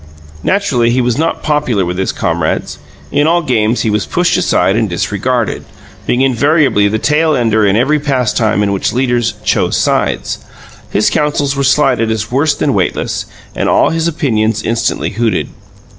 Naturally, he was not popular with his comrades; in all games he was pushed aside, and disregarded, being invariably the tail ender in every pastime in which leaders "chose sides"; his counsels were slighted as worse than weightless, and all his opinions instantly hooted.